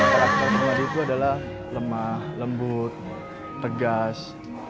karakter muat itu adalah lemah lembut tegas